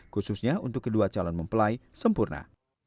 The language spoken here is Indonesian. khususnya untuk kedua calon mempelai sempurna